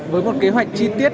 với một kế hoạch chi tiết